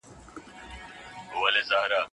تعليم په کور کي نه، بلکي هر ځای کيدای سي.